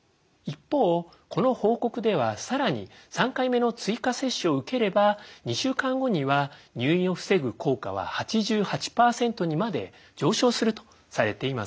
一方この報告では更に３回目の追加接種を受ければ２週間後には入院を防ぐ効果は８８％にまで上昇するとされています。